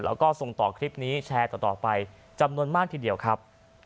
แล้วก็ส่งต่อคลิปนี้แชร์ต่อไปจำนวนมากทีเดียวครับ